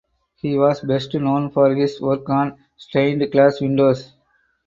He was best known for his work on stained glass windows.